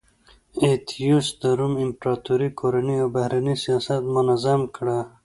اتیوس د روم امپراتورۍ کورنی او بهرنی سیاست منظم کړ